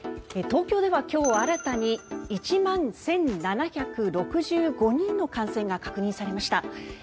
東京では今日新たに１万１７６５人の感染が確認されました。